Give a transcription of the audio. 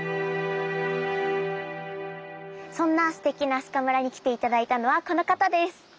そんなすてきな明日香村に来て頂いたのはこの方です！